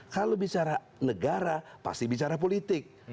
kalau bicara negara pasti bicara politik